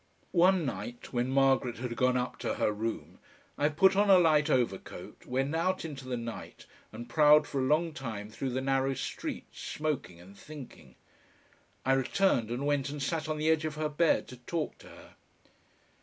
One night when Margaret had gone up to her room, I put on a light overcoat, went out into the night and prowled for a long time through the narrow streets, smoking and thinking. I returned and went and sat on the edge of her bed to talk to her.